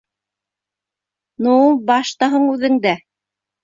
Ну, баш та һуң үҙендә.